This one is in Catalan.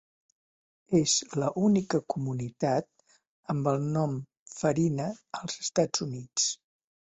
Es la única comunitat amb el nom "Farina" als Estats Units.